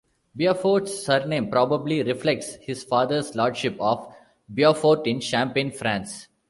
Beaufort's surname probably reflects his father's lordship of Beaufort in Champagne, France.